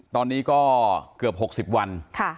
ตอนนี้ก็เกือบ๖๐วัน